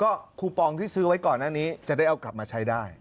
ก็คูปองที่ซื้อไว้ก่อนหน้านี้จะได้เอากลับมาใช้ได้